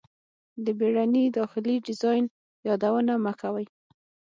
د بیړني داخلي ډیزاین یادونه مه کوئ